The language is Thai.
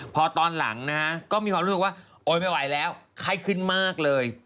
พอตอนหลังนะฮะก็มีความรู้สึกว่าโอ๊ยไม่ไหวแล้วไข้ขึ้นมากเลย